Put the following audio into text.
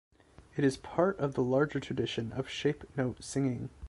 It is part of the larger tradition of shape note singing.